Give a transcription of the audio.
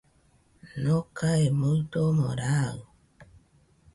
Nokae muidomo raɨ